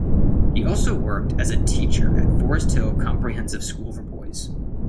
He also worked as a teacher at Forest Hill Comprehensive School for Boys.